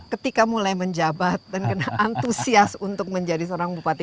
ketika mulai menjabat dan kena antusias untuk menjadi seorang bupati